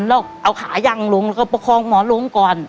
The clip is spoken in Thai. แล้วเอาขาหยั่งลงก็ประคองหมอนน่ะลงก่อน